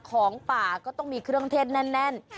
ของป่าก็ต้องมีเครื่องเทศแน่น